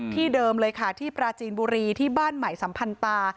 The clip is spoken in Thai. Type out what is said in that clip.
เดิมเลยค่ะที่ปราจีนบุรีที่บ้านใหม่สัมพันธา